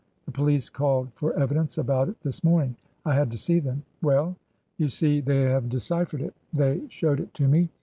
The police called for evidence about it this morning. I had to see them." " Well ?"" You see, they have deciphered it. They showed it to me.